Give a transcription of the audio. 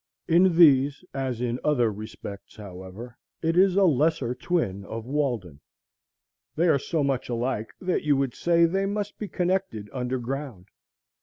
In these as in other respects, however, it is a lesser twin of Walden. They are so much alike that you would say they must be connected under ground.